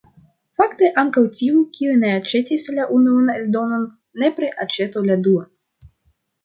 Fakte ankaŭ tiuj, kiuj ne aĉetis la unuan eldonon, nepre aĉetu la duan.